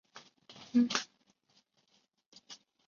圣迪迪耶人口变化图示